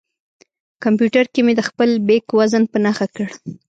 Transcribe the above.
کمپیوټر کې مې د خپل بیک وزن په نښه کړ.